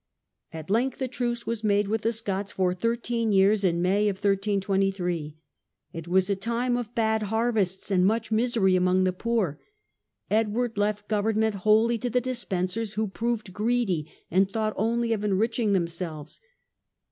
At length a truce was made with the Scots for thirteen years in May 1323. It was a time of bad harvests and much misery among the poor. Edward left government wholly to the Despensers, who proved greedy and thought only of enriching themselves.